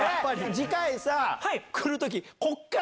次回来る時こっから。